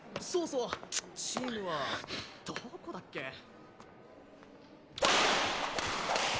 そうそうチームはどこだっけ？